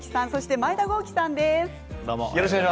前田公輝さんです。